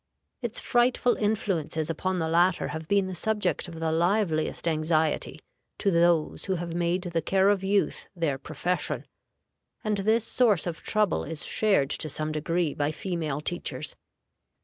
Its frightful influences upon the latter have been the subject of the liveliest anxiety to those who have made the care of youth their profession, and this source of trouble is shared to some degree by female teachers.